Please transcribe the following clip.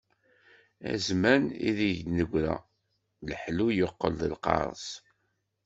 A zzman ideg d-negra, leḥlu yeqqel d lqareṣ.